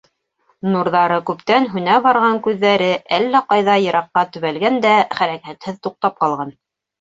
Нурҙары күптән һүнә барған күҙҙәре әллә ҡайҙа йыраҡҡа төбәлгән дә, хәрәкәтһеҙ туҡтап ҡалған.